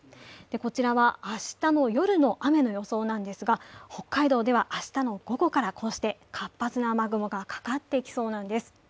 こちらは明日の夜の雨の予想なんですが、北海道では明日の午後からこうして活発な雨雲がかかってきそうなんです。